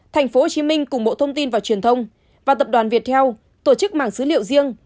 tp hcm cùng bộ thông tin và truyền thông và tập đoàn viettel tổ chức mảng dữ liệu riêng